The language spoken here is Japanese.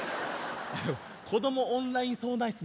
「子どもオンライン相談室」